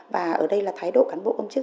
và ở đây là thái độ cán bộ công chức